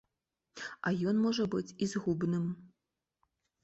А ён можа быць і згубным.